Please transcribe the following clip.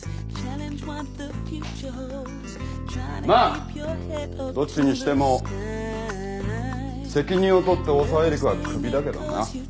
まあどっちにしても責任を取って大澤絵里子は首だけどな。